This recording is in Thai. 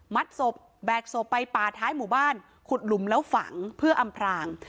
ศพแบกศพไปป่าท้ายหมู่บ้านขุดหลุมแล้วฝังเพื่ออำพราง